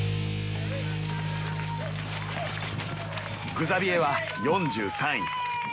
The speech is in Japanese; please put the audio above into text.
グザビエは４３位。